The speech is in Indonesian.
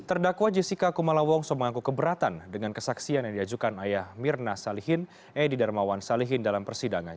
terdakwa jessica kumalawong sombong aku keberatan dengan kesaksian yang diajukan ayah mirna salihin edy darmawan salihin dalam persidangan